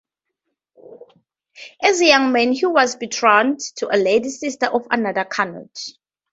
As a young man he was betrothed to a lady, sister of another Canute.